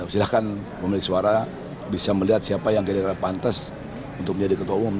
silahkan pemilik suara bisa melihat siapa yang kira kira pantas untuk menjadi ketua umum